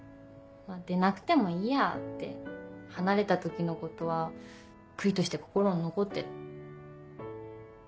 出なくてもいいやって離れた時のことは悔いとして心に残ってる。